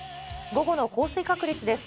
午後の降水確率です。